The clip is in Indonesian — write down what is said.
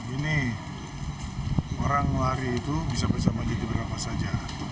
ini orang lari itu bisa bisa menjadi berapa saja